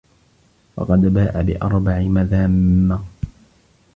فَقَدْ بَاءَ بِأَرْبَعِ مَذَامَّ